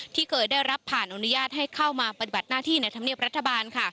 ที่เคยได้รับผ่านอนุญาตให้เข้ามาปฏิบัติหน้าที่ในธรรมเนียบรัฐบาลค่ะ